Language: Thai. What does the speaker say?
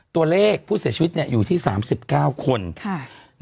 ตัวเลขผู้เสียชีวิตอยู่ที่๓๙คน